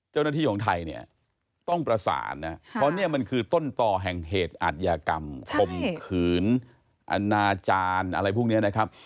เจ้าหน้าที่ของไทยเนี่ยต้องประสานนะเพราะเนี่ยมันคือต้นต่อแห่งเหตุอัธยากรรมคมขืนอนาจารย์อะไรพวกนี้นะครับ